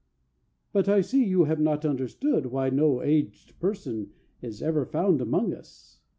"But I see you have not understood Why no aged person is ever found Among us.